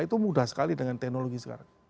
itu mudah sekali dengan teknologi sekarang